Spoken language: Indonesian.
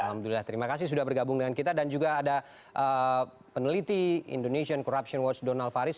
alhamdulillah terima kasih sudah bergabung dengan kita dan juga ada peneliti indonesian corruption watch donald faris